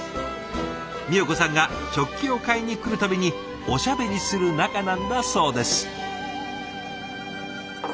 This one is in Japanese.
みよ子さんが食器を買いに来る度におしゃべりする仲なんだそうです。